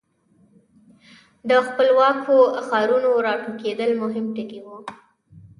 د خپلواکو ښارونو را ټوکېدل مهم ټکي وو.